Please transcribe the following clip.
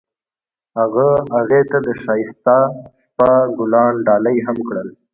هغه هغې ته د ښایسته شپه ګلان ډالۍ هم کړل.